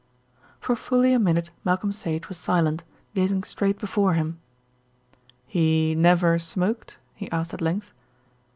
For fully a minute Malcolm Sage was silent, gazing straight before him. "He never smoked?" he asked at length.